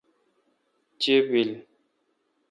چے°بیل۔